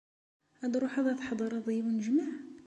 Ad truḥeḍ ad tḥedreḍ i unejmaε?